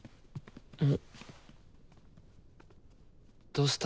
どうした？